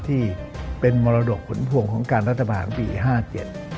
ที่มรดกฝุมภวงของการรัฐบาหารปี๕๗